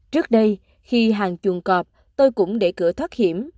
trước đây khi hàng chuồng cọp tôi cũng để cửa thoát hiểm